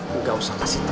beri informasi ya